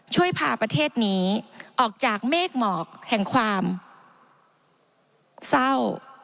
ช่วยพาประเทศนี้ออกจากเมฆหมอกแห่งความเศร้า